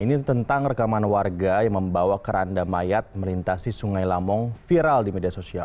ini tentang rekaman warga yang membawa keranda mayat melintasi sungai lamong viral di media sosial